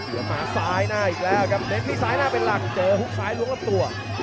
แล้วมาซ้ายหน้าอีกแล้วครับเน้นที่ซ้ายหน้าเป็นหลักเจอฮุกซ้ายล้วงลำตัว